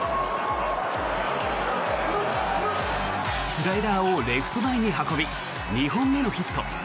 スライダーをレフト前に運び２本目のヒット。